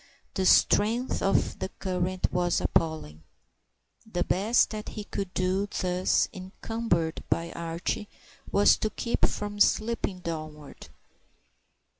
The strength of the current was appalling. The best that he could do, thus encumbered by Archie, was to keep from slipping downward.